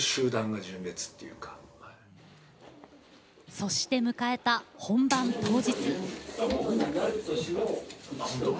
そして迎えた本番当日。